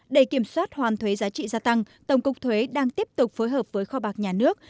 để kiểm soát hoàn thuế giá trị gia tăng tổng cục thuế đang tiếp tục phối hợp với kho bạc nhà nước